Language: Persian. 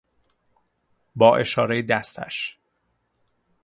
با اشارهی دستش